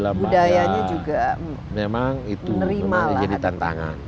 alhamdulillah pak memang itu menjadi tantangan